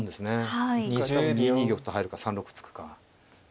一回多分２二玉と入るか３六歩突くか。